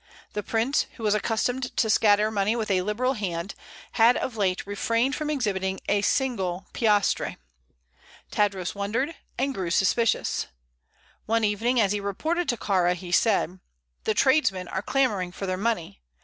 The prince, who was accustomed to scatter money with a liberal hand, had of late refrained from exhibiting a single piastre. Tadros wondered, and grew suspicious. One evening, as he reported to Kāra, he said: "The tradesmen are clamoring for their money.